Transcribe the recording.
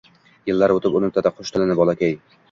yillar oʼtib unutadi qush tilini bolakay